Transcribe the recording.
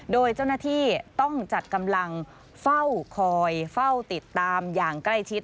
โดยเจ้าหน้าที่ต้องจัดกำลังเฝ้าคอยเฝ้าติดตามอย่างใกล้ชิด